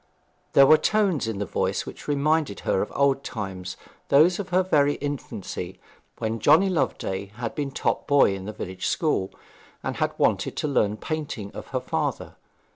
There were tones in the voice which reminded her of old times, those of her very infancy, when Johnny Loveday had been top boy in the village school, and had wanted to learn painting of her father.